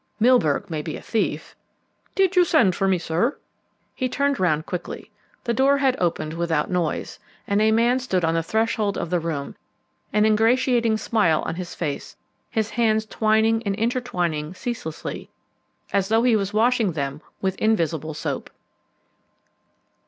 Milburgh may be a thief " "Did you send for me, sir?" He turned round quickly. The door had opened without noise, and a man stood on the threshold of the room, an ingratiating smile on his face, his hands twining and intertwining ceaselessly as though he was washing them with invisible soap.